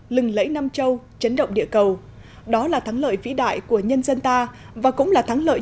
lẫy nam châu chấn động địa cầu đó là thắng lợi vĩ đại của nhân dân ta và cũng là thắng lợi